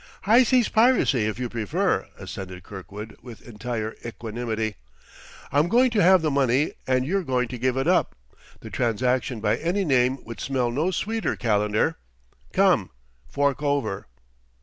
"High seas piracy, if you prefer," assented Kirkwood with entire equanimity. "I'm going to have the money, and you're going to give it up. The transaction by any name would smell no sweeter, Calendar. Come fork over!"